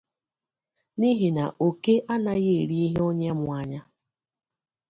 n'ihi na òké anaghị eri ihe onye mụ anya.